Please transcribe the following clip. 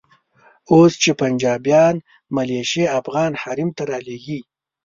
اوس چې پنجابیان ملیشې افغان حریم ته رالېږي.